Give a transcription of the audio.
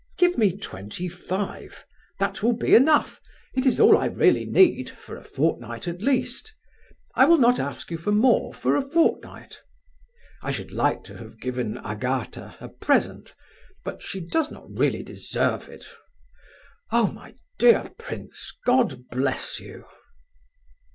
Give me twenty five—that will be enough; it is all I really need, for a fortnight at least. I will not ask you for more for a fortnight. I should like to have given Agatha a present, but she does not really deserve it. Oh, my dear prince, God bless you!"